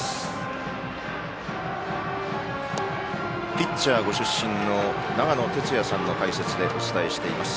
ピッチャーご出身の長野哲也さんの解説でお伝えしています。